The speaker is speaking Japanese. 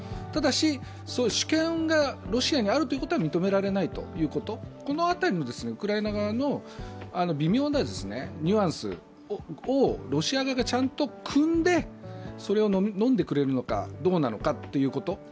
ただし、主権がロシアにあることは認められないということこの辺りのウクライナ側の微妙なニュアンスをロシア側がちゃんとくんでそれをのんでくれるのかどうなのかということ。